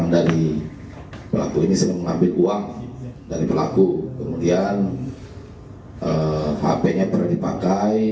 dari pelaku kemudian hp nya pernah dipakai